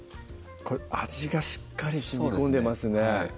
味がしっかりしみこんでますね